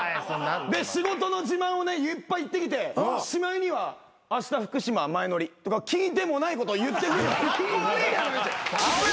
で仕事の自慢をねいっぱい言ってきてしまいには「あした福島前乗り」とか聞いてもないことを言ってくる。